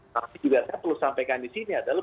masih juga perlu sampaikan di sini adalah